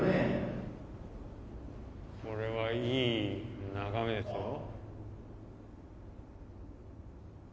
これはいい眺めですよ。